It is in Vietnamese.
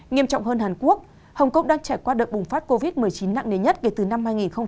nghiêm trọng hơn hàn quốc hồng kông đang trải qua đợt bùng phát covid một mươi chín nặng nề nhất kể từ năm hai nghìn một mươi